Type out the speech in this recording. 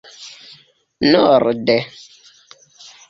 norde